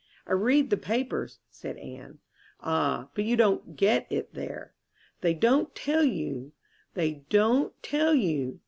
"I read the papers," said Anne. "Ah, but you don't get it there. They don't tell you they don't tell you.